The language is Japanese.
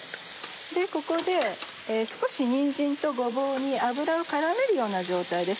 ここで少しにんじんとごぼうに油を絡めるような状態です。